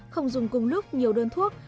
không dùng cùng lúc nhiều đơn thuốc